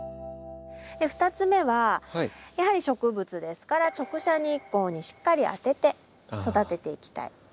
２つ目はやはり植物ですから直射日光にしっかり当てて育てていきたい。